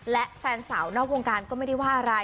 และแฟนสาวนอกวงการก็ไม่ได้ว่าอะไร